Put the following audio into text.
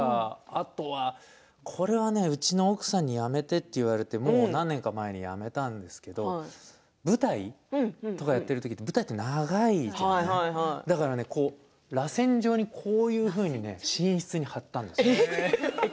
あとは、これはうちの奥さんにやめてと言われて、もう何年か前にやめたんですけど舞台とかやってるときに舞台って長いじゃないですかだから、らせん状にね寝室に貼ったんですよ。